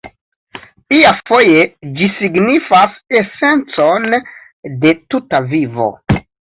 Iafoje ĝi signifas esencon de tuta vivo.